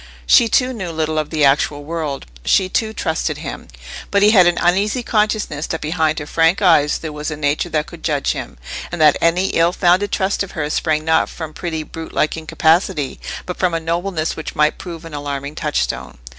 She, too, knew little of the actual world; she, too, trusted him; but he had an uneasy consciousness that behind her frank eyes there was a nature that could judge him, and that any ill founded trust of hers sprang not from pretty brute like incapacity, but from a nobleness which might prove an alarming touchstone.